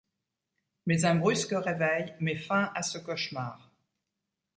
Mais un brusque réveil met fin à ce cauchemar.